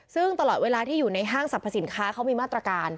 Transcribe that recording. ซึ่งตลอดเวลาที่อยู่ในห้างสรรพสินค้าเขามีมาตรการ